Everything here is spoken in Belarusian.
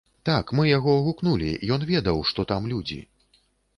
Так, мы яго гукнулі, ён ведаў, што там людзі.